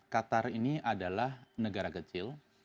qatar ini adalah negara kecil